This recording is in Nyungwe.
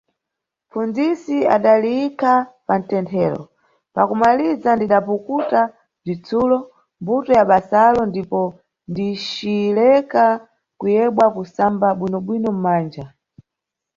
Mpfunzisi adaliyikha pa mtenthero, pa kumaliza ndidapukuta, bzitsulo, mbuto ya basalo ndipo ndicileka kuyebwa kusamba bwino-bwino mʼmanja.